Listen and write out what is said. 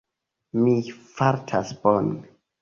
Mi fartas bone.